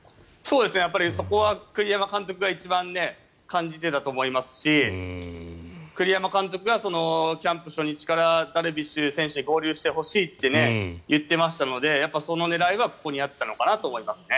そこは栗山監督が一番感じていたと思いますし栗山監督がキャンプ初日からダルビッシュ選手に合流してほしいと言っていましたのでその狙いはここにあったのかなと思いますね。